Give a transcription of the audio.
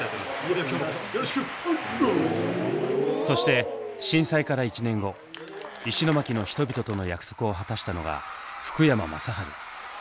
そして震災から１年後石巻の人々との約束を果たしたのが福山雅治。